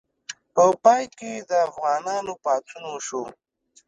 په پای کې د افغانانو پاڅون وشو.